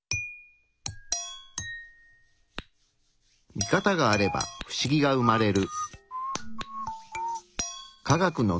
ミカタがあればフシギが生まれる。